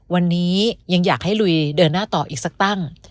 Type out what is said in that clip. วันนี้ยังอยากให้ลุยเดินหน้าต่ออีกสักตั้ง